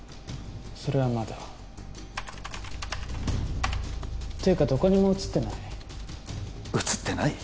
それはまだていうかどこにも写ってない写ってない？